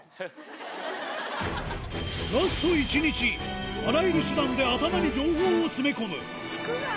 ラスト１日、あらゆる手段で頭に情報を詰め込む。